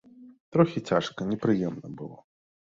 Трохі цяжка, непрыемна было.